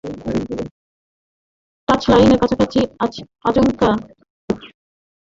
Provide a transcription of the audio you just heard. টাচলাইনের কাছাকাছি আচমকা অ্যাঙ্কেল মচকালে তাঁকে ধরে মাঠের বাইরে নিয়ে যেতে হয়।